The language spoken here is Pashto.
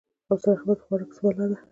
او صحت مند خوراک څۀ بلا ده -